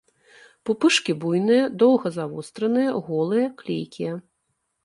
Пупышкі буйныя, доўга-завостраныя, голыя, клейкія.